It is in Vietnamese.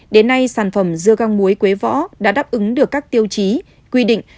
đến nay sản phẩm dưa gang muối quế võ đã đáp ứng được các tiêu chí quy định